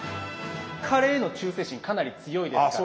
カレーへの忠誠心かなり強いですから。